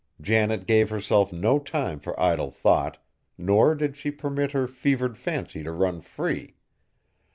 Janet gave herself no time for idle thought, nor did she permit her fevered fancy to run free.